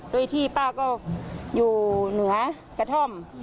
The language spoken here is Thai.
โดยที่ป้าก็อยู่เหนือกระท่อม